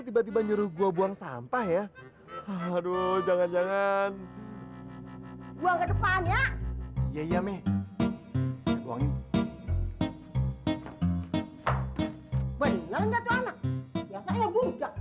tiba tiba nyuruh gua buang sampah ya aduh jangan jangan gua ke depannya iya meh goyang